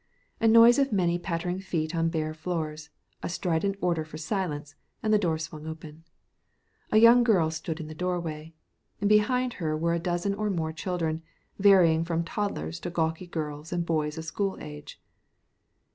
A noise of many pattering feet on bare floors, a strident order for silence, and the door swung open. A young girl stood in the doorway. Behind her were a dozen or more children, varying from toddlers to gawky girls and boys of school age.